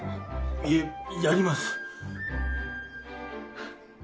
いえやります